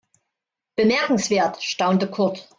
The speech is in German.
Bemerkenswert, staunte Kurt.